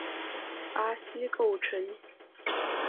巴西构成。